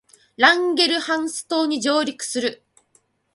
ランゲルハンス島に上陸する